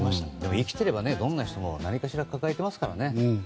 生きていれば、誰も何かしら抱えていますからね。